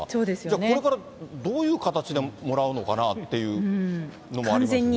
これからどういう形でもらうのかなっていうのもありますよね。